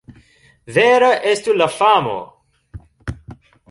Vera estu la famo!